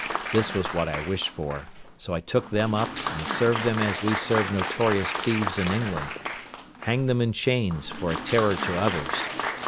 This was what I wished for; so I took them up, and served them as we serve notorious thieves in England—hanged them in chains, for a terror to others.